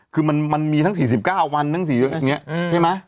คือมันมีทั้ง๔๙วันทั้ง๔อย่างนี้ใช่ไหม